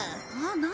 何？